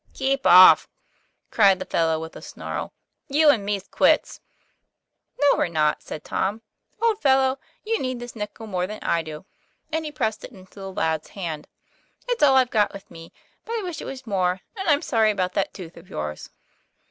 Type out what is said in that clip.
"Keep off," cried the fellow, with a snarl: "you and me's quits." "No, we're not," said Tom. "Old fellow, you need this nickel more than I do," and he pressed it into the lad's hand. "It's all I've got with me; but I wish it was more, and I'm sorry about that tooth of yours."